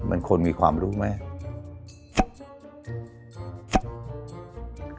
มันควรมีความรู้มาก